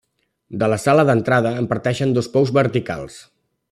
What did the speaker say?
De la sala d'entrada en parteixen dos pous verticals.